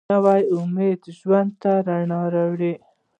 نوی امید ژوند ته رڼا راولي